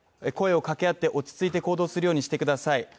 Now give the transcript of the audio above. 声をかけあって落ち着いて行動するようにしてください。